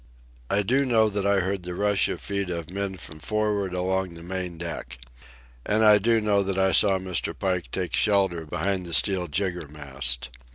I do know that I heard the rush of feet of men from for'ard along the main deck. And I do know that I saw Mr. Pike take shelter behind the steel jiggermast.